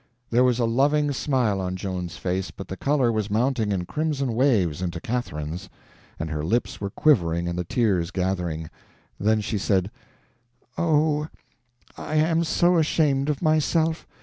There was a loving smile on Joan's face, but the color was mounting in crimson waves into Catherine's, and her lips were quivering and the tears gathering; then she said: "Oh, I am so ashamed of myself!